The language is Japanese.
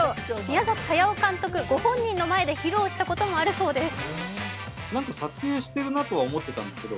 宮崎駿監督ご本人の前で披露したこともあるそうです。